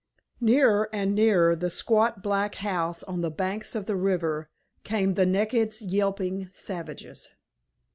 Nearer and nearer the squat black house on the banks of the river came the naked, yelping savages.